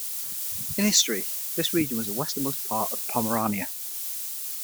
In history this region was the westernmost part of Pomerania.